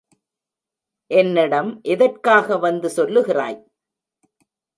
என்னிடம் எதற்காக வந்து சொல்லுகிறாய்?